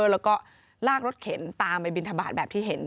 แล้วก็ลากรถเข็นตามไปบินทบาทแบบที่เห็น